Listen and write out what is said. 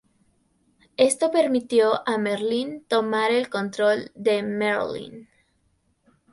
Esto permitió a Merlín tomar el control de Merlyn.